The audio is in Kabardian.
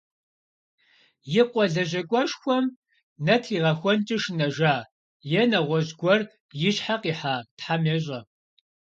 И къуэ лэжьакӀуэшхуэм нэ тригъэхуэнкӀэ шынэжа, е нэгъуэщӀ гуэр и щхьэ къихьа, Тхьэм ещӏэ.